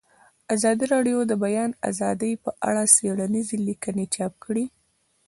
ازادي راډیو د د بیان آزادي په اړه څېړنیزې لیکنې چاپ کړي.